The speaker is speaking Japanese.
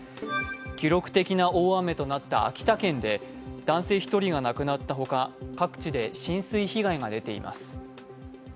記録的な大雨となった秋田県で男性１人が亡くなったほか各地で浸水被害が出ています。